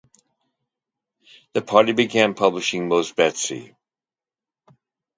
The party began publishing "Mosebetsi".